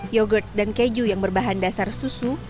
yogurt dan keju yang berbahan dasar susu